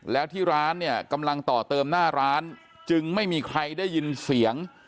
แล้วที่ร้านเนี่ยกำลังต่อเติมหน้าร้านจึงไม่มีใครได้ยินเสียง